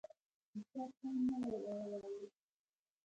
د چا پام نه وراوښت